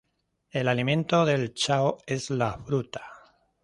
El alimento del Chao es la fruta.